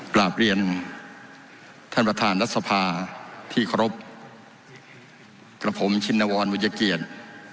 กราบเรียนท่านประธานรัฐสภาที่เคารพกับผมชินวรบุญเกียรติ